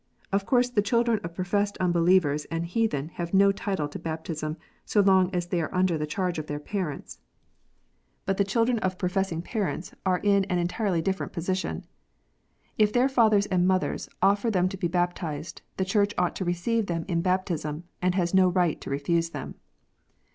Of course the children of professed unbelievers and heathen have no title to baptism, so long as they are under the charge of their parents. But the children of professing Christians are BAPTISM. 9 7 in an entirely different position. If their fathers and mothers offer them to be baptized, the Church ought to receive them in baptism, and has no right to refuse them.